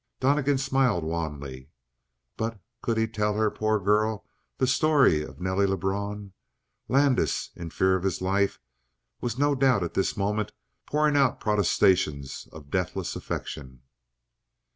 Donnegan smiled wanly. But could he tell her, poor girl, the story of Nelly Lebrun? Landis, in fear of his life, was no doubt at this moment pouring out protestations of deathless affection.